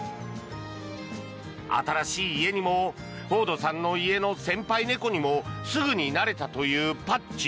新しい家にもフォードさんの家の先輩猫にもすぐに慣れたというパッチ。